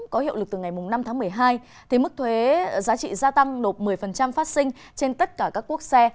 có hiệu lực từ ngày năm tháng một mươi hai thì mức thuế giá trị gia tăng nộp một mươi phát sinh trên tất cả các quốc xe